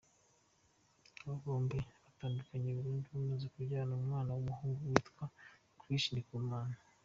Aba bombi batandukanye burundu bamaze kubyarana umwana w’umuhungu witwa Krish Ndikumana.